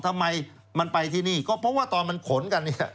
ทำไมมันไปที่นี่ก็เพราะว่าตอนมันขนกันเนี่ย